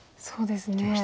そうですね。